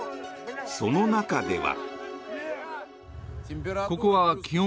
その中では。